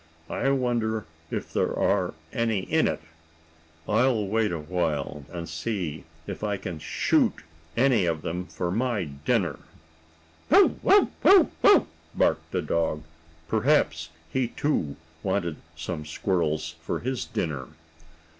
"I wonder if there are any in it? I'll wait a while, and see if I can shoot any of them for my dinner." "Bow wow! Bow wow!" barked the dog. Perhaps he, too, wanted some squirrels for his dinner.